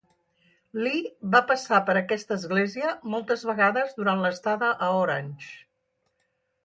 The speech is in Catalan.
Lee va passar per aquesta església moltes vegades durant l'estada a Orange.